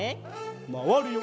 まわるよ。